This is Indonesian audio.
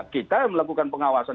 kita melakukan pengawasan